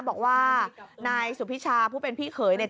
บอกว่านายสุพิชาผู้เป็นพี่เขยเนี่ย